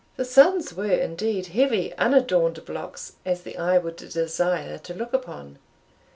The sons were, indeed, heavy unadorned blocks as the eye would desire to look upon.